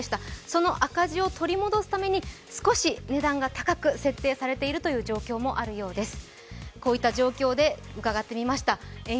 その赤字を取り戻すために、少し値段が高く設定されているという状況もあるようです。